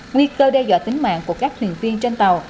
nguy cơ đe dọa tính mạng của các thuyền viên trên tàu